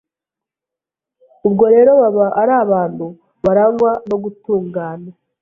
Ubwo rero baba ari abantu barangwa no gutungana